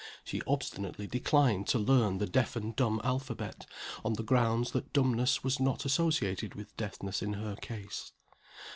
She obstinately declined to learn the deaf and dumb alphabet on the ground that dumbness was not associated with deafness in her case.